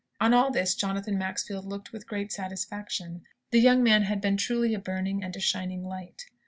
On all this Jonathan Maxfield looked with great satisfaction. The young man had been truly a burning and a shining light.